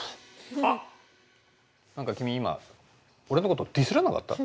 あっ何か君今俺のことディスらなかった？